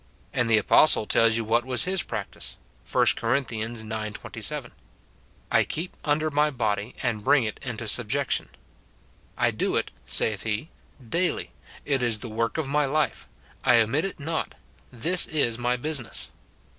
And the apostle tells you what was his practice, 1 Cor. ix. 27, " I keep under my body, and bring it into subjection." "I do it," saith he, "daily; it is the work of my life: I omit it not ; this is my business."